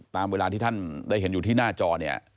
ตามเวลาที่ท่านได้เห็นอยู่ที่หน้าจอเนี่ย